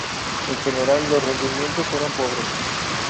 En general, los rendimientos eran pobres.